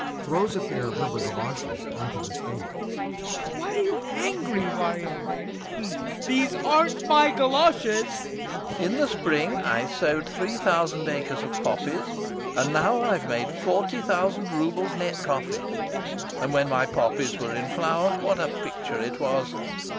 [Throws a pair of rubber goloshes on to the stage.] TROFIMOV. Why are you angry, Varya? Hm! These aren't my goloshes! LOPAKHIN. In the spring I sowed three thousand acres of poppies, and now I've made forty thousand roubles net profit. And when my poppies were in flower, what a picture it was!